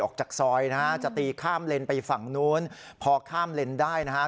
ออกจากซอยนะฮะจะตีข้ามเลนไปฝั่งนู้นพอข้ามเลนได้นะฮะ